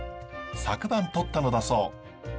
昨晩とったのだそう。